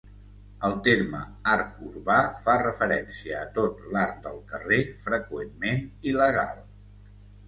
El terme art urbà fa referència a tot l'art del carrer, freqüentment il·legal.